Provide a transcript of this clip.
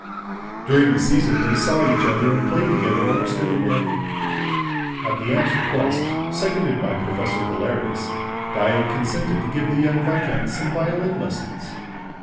During the season, they saw each other and played together almost every day. At the aunt's request, seconded by Professor Valerius, Daae consented to give the young viscount some violin lessons.